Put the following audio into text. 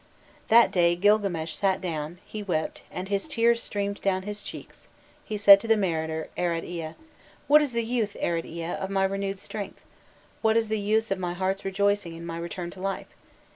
That day Gilgames sat down, he wept, and his tears streamed down his cheeks he said to the mariner Arad Ba: 'What is the use, Arad Ea, of my renewed strength; what is the use of my heart's rejoicing in my return to life?